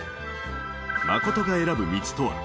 真琴が選ぶ道とは。